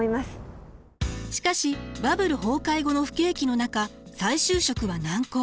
しかしバブル崩壊後の不景気の中再就職は難航。